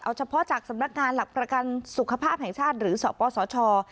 เอาเฉพาะจากสำนักงานหลักประกันสุขภาพแห่งชาติหรือสปสช